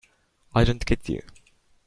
I don't get you.